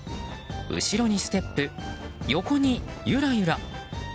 後ろにステップ横にゆらゆら。